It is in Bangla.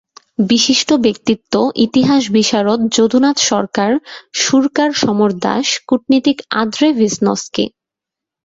বিশিষ্ট ব্যক্তিত্ব—ইতিহাস বিশারদ যদুনাথ সরকার, সুরকার সমর দাস, কূটনীতিক আঁদ্রে ভিসনস্কি।